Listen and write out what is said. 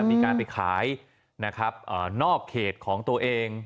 มีการไปขายนะครับนอกเขตของตัวเอง